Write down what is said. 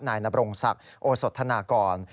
นายนบรงศักดิ์โอสธนากร